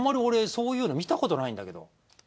俺そういうの見たことないんだけど。